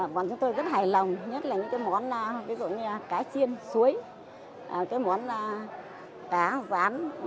bọn chúng tôi rất hài lòng nhất là những món cá chiên suối cá rán